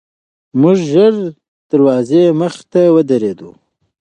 موټر ژر د دروازې مخې ته ودرېد.